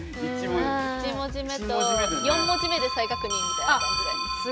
１文字目と、４文字目で再確認っていう感じで。